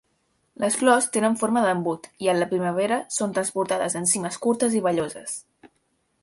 Les flors tenen forma d'embut, i a la primavera són transportades en cimes curtes i velloses.